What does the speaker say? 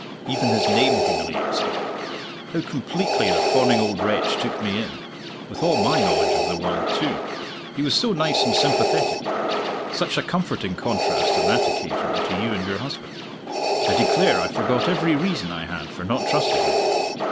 Even his name humiliates me. How completely the fawning old wretch took me in with all my knowledge of the world, too! He was so nice and sympathetic such a comforting contrast, on that occasion, to you and your husband I declare I forgot every reason I had for not trusting him.